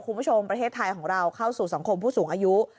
คุณผู้ชมประเทศไทยของเราเข้าสู่สังคมผู้สูงอายุ